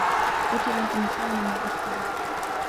قُتِلَ الإِنسَانُ مَا أَكْفَرَهُ